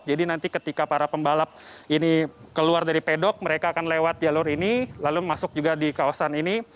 jadi nanti ketika para pembalap ini keluar dari pedok mereka akan lewat jalur ini lalu masuk juga di kawasan ini